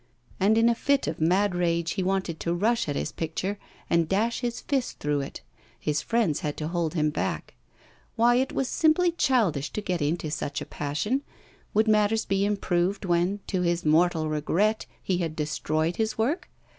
And in a fit of mad rage he wanted to rush at his picture and dash his fist through it. His friends had to hold him back. Why, it was simply childish to get into such a passion. Would matters be improved when, to his mortal regret, he had destroyed his work?